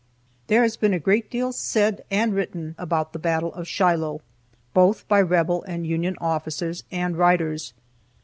There has been a great deal said and written about the battle of Shiloh, both by Rebel and Union officers and writers.